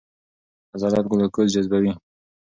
عضلات ګلوکوز جذبوي.